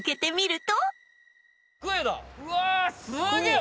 すげえ！